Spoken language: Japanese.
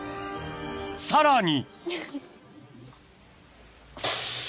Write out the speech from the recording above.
［さらに］